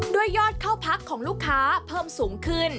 ยอดเข้าพักของลูกค้าเพิ่มสูงขึ้น